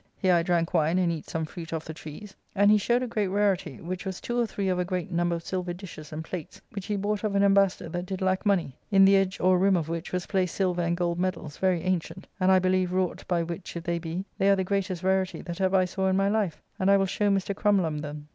Here I drank wine, and eat some fruit off the trees; and he showed a great rarity, which was two or three of a great number of silver dishes and plates, which he bought of an embassador that did lack money, in the edge or rim of which was placed silver and gold medalls, very ancient, and I believe wrought, by which, if they be, they are the greatest rarity that ever I saw in my life, and I will show Mr. Crumlum them.